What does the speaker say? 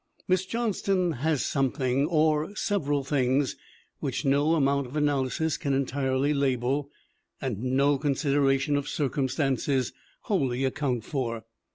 Miss Johnston has something, or several things, which no amount of analysis can entirely label and no consideration of circumstances wholly account for.